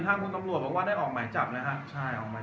แต่ว่าเมืองนี้ก็ไม่เหมือนกับเมืองอื่น